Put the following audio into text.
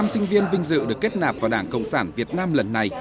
năm sinh viên vinh dự được kết nạp vào đảng cộng sản việt nam lần này